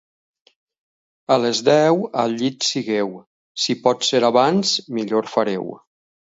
A les deu al llit sigueu; si pot ser abans, millor fareu.